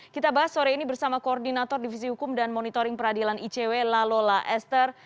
kita bahas sore ini bersama koordinator divisi hukum dan monitoring peradilan icw lalola esther